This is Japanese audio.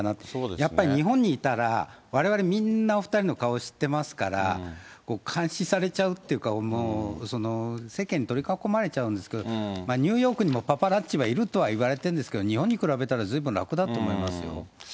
やっぱり日本にいたら、われわれみんな、お２人の顔を知ってますから、監視されちゃうっていうか、世間に取り囲まれちゃうんですけど、ニューヨークにもパパラッチはいるとはいわれているんですけれども、日本に比べたらずいぶん楽だと思いますよ。